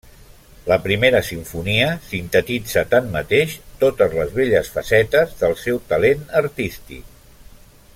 La primera simfonia sintetitza, tanmateix, totes les belles facetes del seu talent artístic.